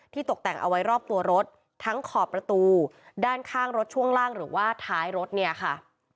ตกแต่งเอาไว้รอบตัวรถทั้งขอบประตูด้านข้างรถช่วงล่างหรือว่าท้ายรถเนี่ยค่ะ